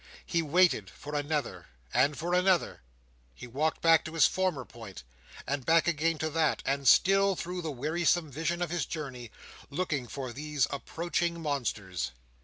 He waited for another, and for another. He walked back to his former point, and back again to that, and still, through the wearisome vision of his journey, looked for these approaching monsters.